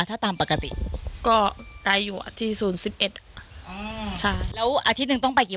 ถ้าตามปกติก็ไกลอยู่อาทิตย์ศูนย์สิบเอ็ดอ๋อใช่แล้วอาทิตย์หนึ่งต้องไปกี่